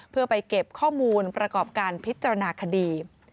เพื่อไปเก็บข้อมูลประกอบการพิจารณาคดี